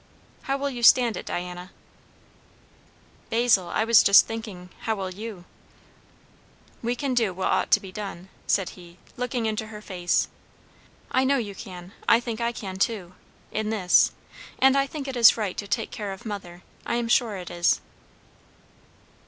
"How will you stand it, Diana?" "Basil, I was just thinking, how will you?" "We can do what ought to be done," said he, looking into her face. "I know you can. I think I can too in this. And I think it is right to take care of mother. I am sure it is."